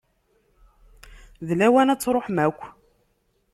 D lawan ad d-truḥem akk.